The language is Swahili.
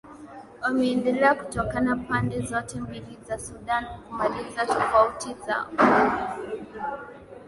wameendelea kutaka pande zote mbili za sudan kumaliza tofauti zao